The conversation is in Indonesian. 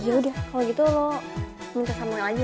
yaudah kalau gitu lo minta sama el aja